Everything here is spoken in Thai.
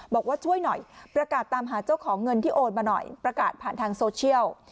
บอกว่าช่วยหน่อยประกาศตามหาเจ้าของเงินที่โอนมาหน่อยประกาศผ่านทางโซเชียล